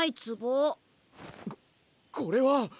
ここれは！